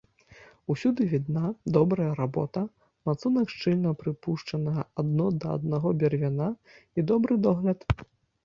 Усюды відна добрая работа, мацунак шчыльна прыпушчанага адно да аднаго бервяна і добры догляд.